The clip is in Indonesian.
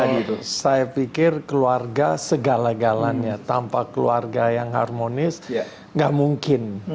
saya pikir keluarga segala galanya tanpa keluarga yang harmonis nggak mungkin